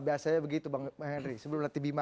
biasanya begitu bang henry sebelum latibima